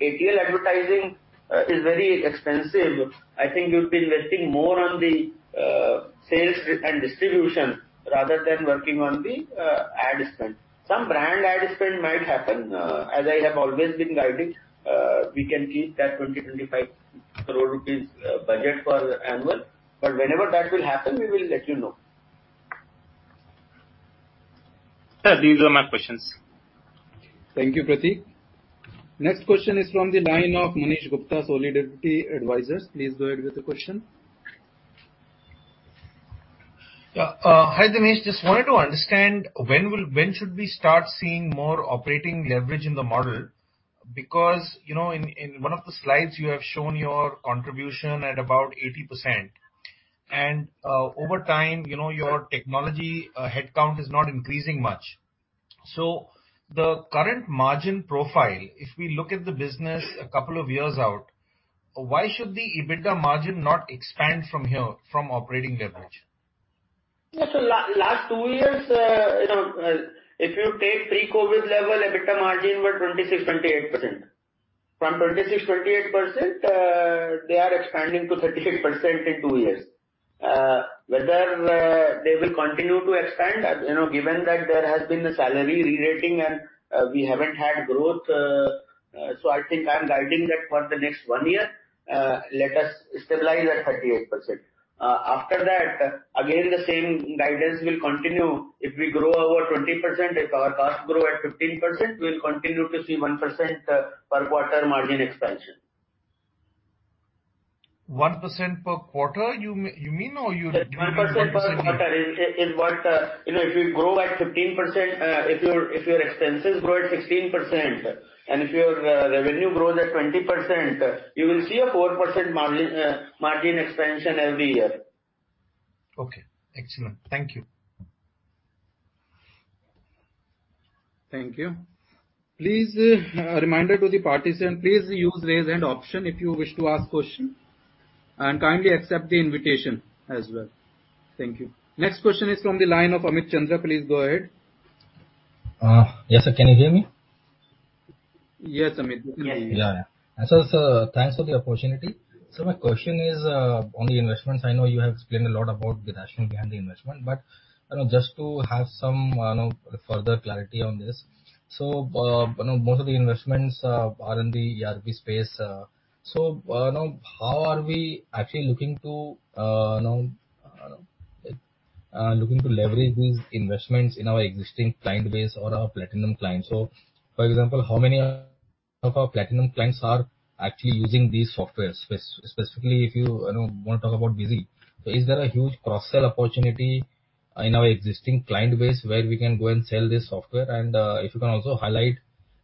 ATL advertising is very expensive. I think you'd be investing more on the sales and distribution rather than working on the ad spend. Some brand ad spend might happen. As I have always been guiding we can keep that 20-25 crore rupees budget for annual. Whenever that will happen, we will let you know. Sir, these are my questions. Thank you, Pratik. Next question is from the line of Manish Gupta, Solidarity Advisors. Please go ahead with the question. Yeah, hi, Dinesh. Just wanted to understand when should we start seeing more operating leverage in the model? Because, you know, in one of the slides you have shown your contribution at about 80%. Over time, you know, your technology headcount is not increasing much. The current margin profile, if we look at the business a couple of years out, why should the EBITDA margin not expand from here, from operating leverage? Yeah. Last two years, you know, if you take pre-COVID level, EBITDA margin were 26%-28%. From 26%-28%, they are expanding to 38% in two years. Whether they will continue to expand, as you know, given that there has been a salary re-rating and we haven't had growth, so I think I'm guiding that for the next one year. Let us stabilize at 38%. After that, again, the same guidance will continue. If we grow our 20%, if our costs grow at 15%, we'll continue to see 1% per quarter margin expansion. 1% per quarter, you mean? Or you- 1% per quarter is what, you know, if you grow at 15%, if your expenses grow at 16% and if your revenue grows at 20%, you will see a 4% margin expansion every year. Okay. Excellent. Thank you. Thank you. Please, a reminder to the participants, please use raise hand option if you wish to ask question. Kindly accept the invitation as well. Thank you. Next question is from the line of Amit Chandra. Please go ahead. Yes, sir. Can you hear me? Yes, Amit. Yeah, yeah. Yeah. Sir, thanks for the opportunity. My question is on the investments. I know you have explained a lot about the rationale behind the investment, but you know, just to have some you know, further clarity on this. You know, most of the investments are in the ERP space. You know, how are we actually looking to leverage these investments in our existing client base or our platinum clients? For example, how many of our platinum clients are actually using these softwares? Specifically, if you you know, want to talk about Busy. Is there a huge cross-sell opportunity in our existing client base where we can go and sell this software? If you can also highlight,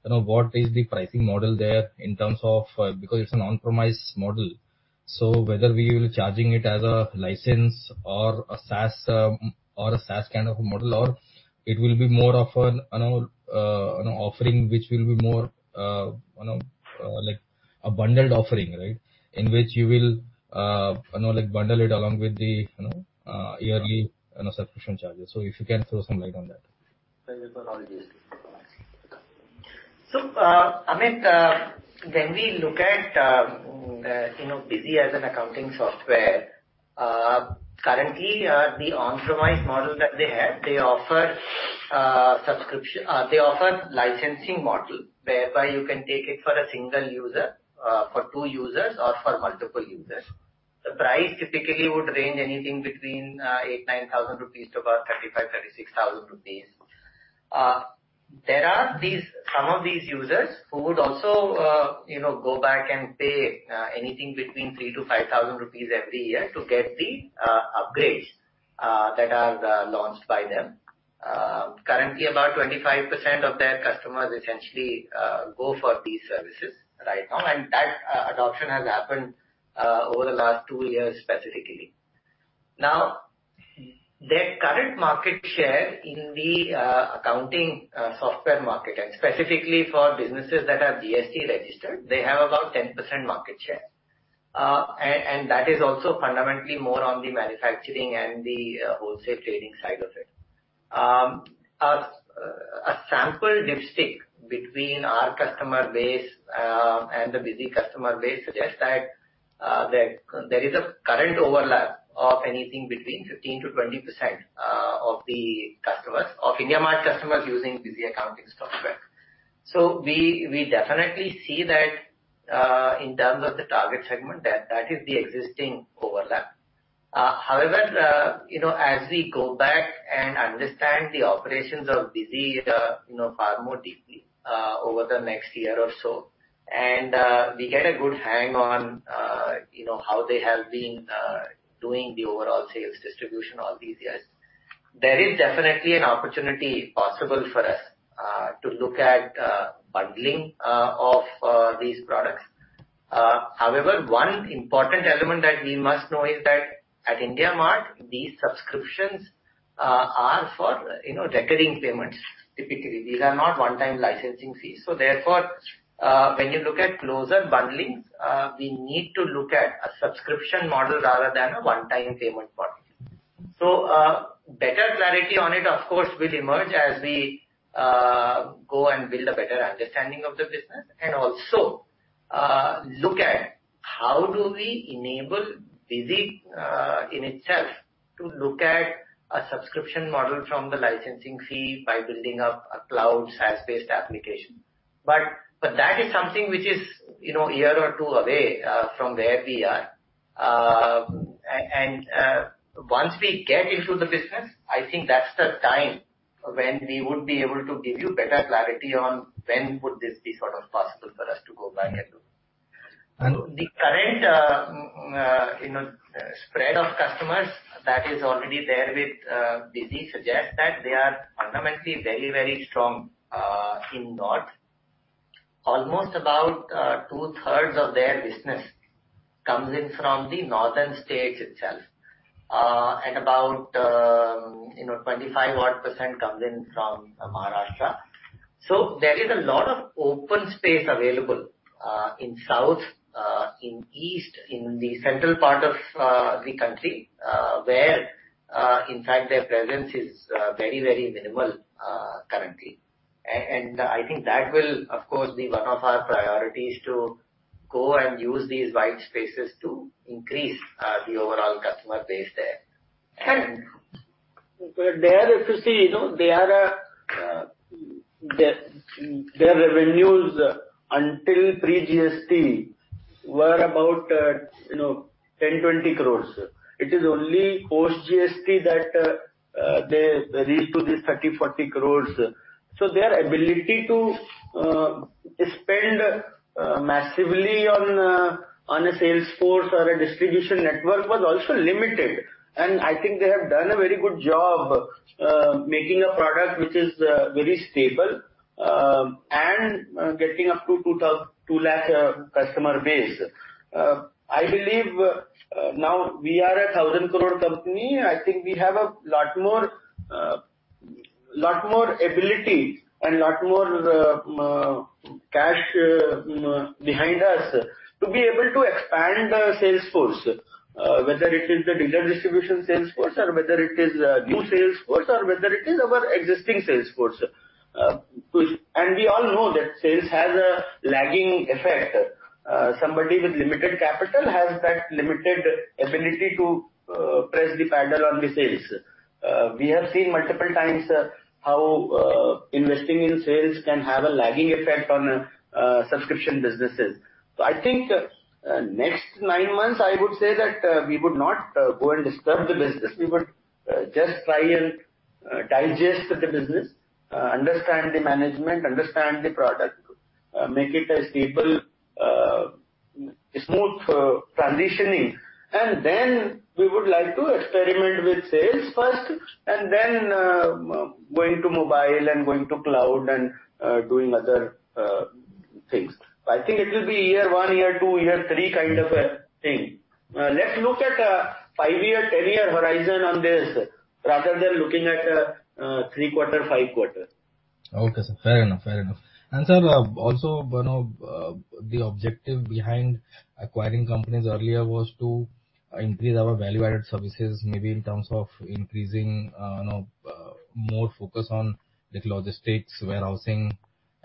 you know, what is the pricing model there in terms of, because it's an on-premise model. So whether we will charging it as a license or a SaaS, or a SaaS kind of a model, or it will be more of an, you know, an offering which will be more, like a bundled offering, right? In which you will, like bundle it along with the, yearly, subscription charges. So if you can throw some light on that. Thank you for all these. Amit, when we look at, you know, Busy as an accounting software, currently, the on-premise model that they have, they offer licensing model, whereby you can take it for a single user, for two users or for multiple users. The price typically would range anything between 8,000-9,000 rupees to about 35,000-36,000 rupees. There are some of these users who would also, you know, go back and pay anything between 3,000-5,000 rupees every year to get the upgrades that are launched by them. Currently, about 25% of their customers essentially go for these services right now, and that adoption has happened over the last two years specifically. Now, their current market share in the accounting software market and specifically for businesses that are GST registered, they have about 10% market share. That is also fundamentally more on the manufacturing and the wholesale trading side of it. A sample dipstick between our customer base and the Busy customer base suggests that there is a current overlap of anything between 15%-20% of the customers, of IndiaMART customers using Busy accounting software. We definitely see that in terms of the target segment, that is the existing overlap. However, you know, as we go back and understand the operations of Busy, you know, far more deeply, over the next year or so, and we get a good hang on, you know, how they have been doing the overall sales distribution all these years, there is definitely an opportunity possible for us to look at bundling of these products. However, one important element that we must know is that at IndiaMART, these subscriptions are for, you know, recurring payments, typically. These are not one-time licensing fees. Therefore, when you look at closer bundling, we need to look at a subscription model rather than a one-time payment model. Better clarity on it, of course, will emerge as we go and build a better understanding of the business and also look at how do we enable Busy in itself to look at a subscription model from the licensing fee by building up a cloud SaaS-based application. That is something which is, you know, a year or two away from where we are. Once we get into the business, I think that's the time when we would be able to give you better clarity on when would this be sort of possible for us to go back and do. The current, you know, spread of customers that is already there with Busy suggests that they are fundamentally very, very strong in north. Almost about two-thirds of their business comes in from the northern states itself. About you know 25 odd % comes in from Maharashtra. There is a lot of open space available in south in east in the central part of the country where in fact their presence is very very minimal currently. I think that will of course be one of our priorities to go and use these white spaces to increase the overall customer base there. If you see there, you know, their revenues until pre-GST were about, you know, 10-20 crores. It is only post-GST that they reached to the 30-40 crores. Their ability to spend massively on a sales force or a distribution network was also limited. I think they have done a very good job making a product which is very stable and getting up to 2 lakh customer base. I believe now we are a 1,000 crore company. I think we have a lot more ability and lot more cash behind us to be able to expand the sales force, whether it is the dealer distribution sales force or whether it is a new sales force or whether it is our existing sales force. We all know that sales has a lagging effect. Somebody with limited capital has that limited ability to press the pedal on the sales. We have seen multiple times how investing in sales can have a lagging effect on subscription businesses. I think next nine months, I would say that we would not go and disturb the business. We would just try and digest the business, understand the management, understand the product, make it a stable smooth transitioning. We would like to experiment with sales first and then going to mobile and going to cloud and doing other things. I think it will be year one, year two, year three kind of a thing. Let's look at a five-year, 10-year horizon on this rather than looking at three quarters, five quarters. Okay, sir. Fair enough. Sir, also, you know, the objective behind acquiring companies earlier was to increase our value-added services, maybe in terms of increasing more focus on the logistics, warehousing.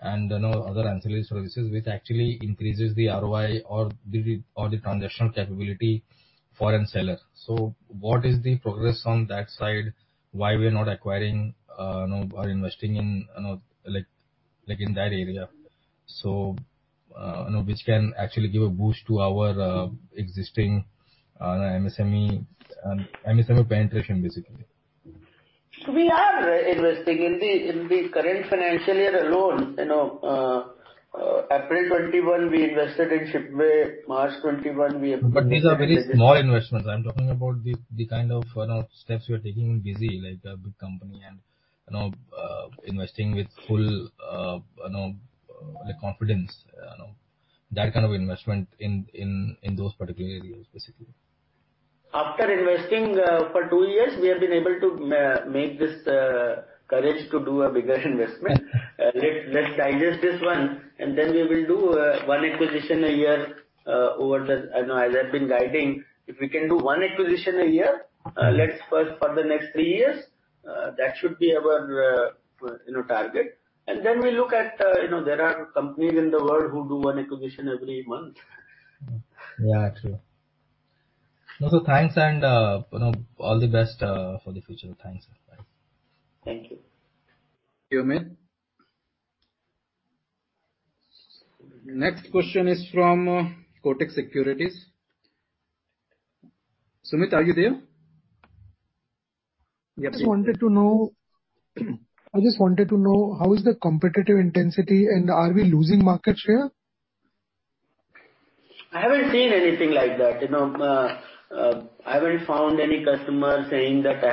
You know, other ancillary services which actually increases the ROI or the transactional capability for a seller. What is the progress on that side? Why we are not acquiring or investing in, you know, like in that area? You know, which can actually give a boost to our existing MSME penetration, basically. We are investing. In the current financial year alone, you know, April 2021 we invested in Shipway, March 2021 we acquired- These are very small investments. I'm talking about the kind of, you know, steps you are taking in Busy, like a big company and, you know, investing with full, you know, like, confidence, you know. That kind of investment in those particular areas, basically. After investing for two years, we have been able to make this courage to do a bigger investment. Let's digest this one and then we will do one acquisition a year over the you know, as I've been guiding, if we can do one acquisition a year, let's first for the next three years, that should be our you know, target. Then we look at you know, there are companies in the world who do one acquisition every month. Yeah, true. No, so thanks, and, you know, all the best for the future. Thanks. Bye. Thank you. Thank you, Amit. Next question is from Kotak Securities. Sumit, are you there? Yep. I just wanted to know how is the competitive intensity and are we losing market share? I haven't seen anything like that. You know, I haven't found any customer saying that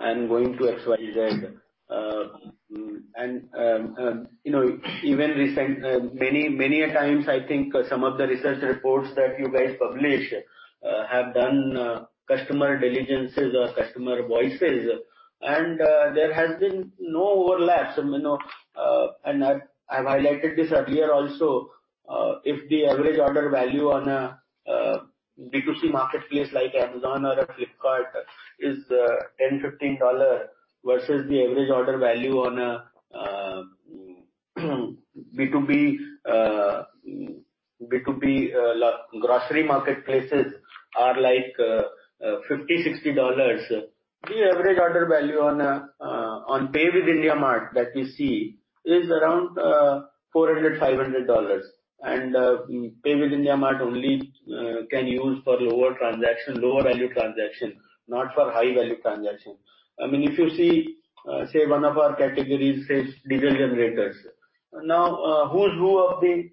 I'm going to XYZ. You know, even recent many a times I think some of the research reports that you guys publish have done customer diligences or customer voices, and there has been no overlaps. You know, and I've highlighted this earlier also. If the average order value on a B2C marketplace like Amazon or a Flipkart is $10-$15 versus the average order value on a B2B like grocery marketplaces are like $50-$60. The average order value on Pay with IndiaMART that we see is around $400-$500. Pay with IndiaMART only can use for lower transaction, lower value transaction, not for high value transaction. I mean, if you see, say one of our categories, say diesel generators. Now, who's who of the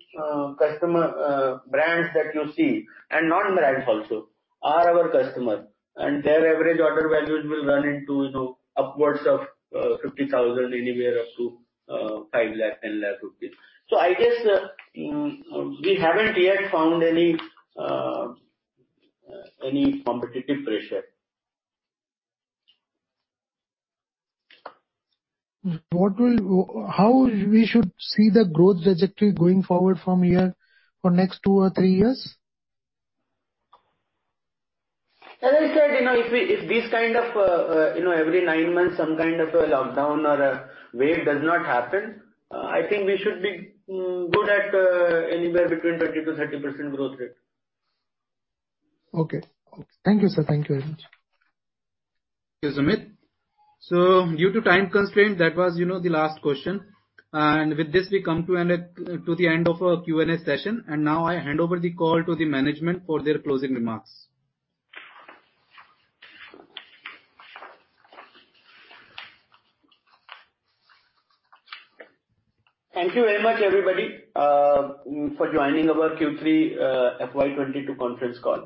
customer brands that you see, and non-brands also are our customers. And their average order values will run into, you know, upwards of 50,000, anywhere up to 5 lakh, 10 lakh rupees. I guess we haven't yet found any competitive pressure. How we should see the growth trajectory going forward from here for next two or three years? As I said, you know, if this kind of, you know, every nine months some kind of a lockdown or a wave does not happen, I think we should be good at anywhere between 20%-30% growth rate. Okay. Thank you, sir. Thank you very much. Thank you, Sumit. Due to time constraint, that was, you know, the last question. With this we come to the end of our Q and A session. Now I hand over the call to the management for their closing remarks. Thank you very much, everybody, for joining our Q3 FY 2022 conference call.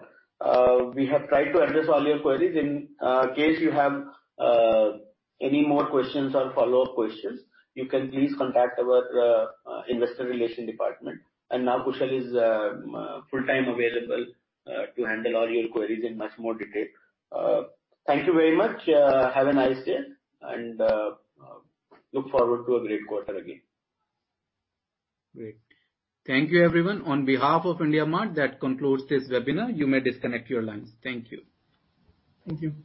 We have tried to address all your queries. In case you have any more questions or follow-up questions, you can please contact our investor relations department. Now Kushal is full-time available to handle all your queries in much more detail. Thank you very much. Have a nice day, and look forward to a great quarter again. Great. Thank you, everyone. On behalf of IndiaMART, that concludes this webinar. You may disconnect your lines. Thank you. Thank you.